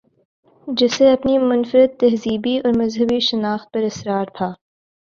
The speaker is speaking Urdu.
جسے اپنی منفردتہذیبی اورمذہبی شناخت پر اصرار تھا۔